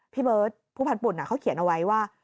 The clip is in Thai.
พี่เบิร์ตผู้พันธ์ปุ่นเขาเขียนเอาไว้ว่า